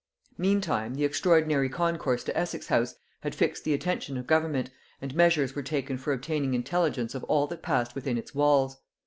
Meantime the extraordinary concourse to Essex house had fixed the attention of government, and measures were taken for obtaining intelligence of all that passed within its walls.